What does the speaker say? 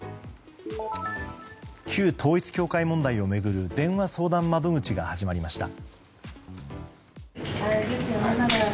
旧統一教会問題を巡る電話相談窓口が始まりました。